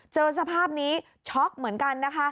เจอสภาพนี้ช็อกเหมือนกัน